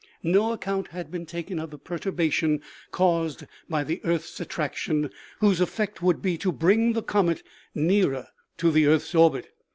No account has been taken of the perturba tion caused by the earth's attraction, whose effect would be to bring the comet nearer to the earth's orbit.